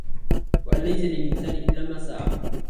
وَأَن لَّيْسَ لِلإِنسَانِ إِلاَّ مَا سَعَى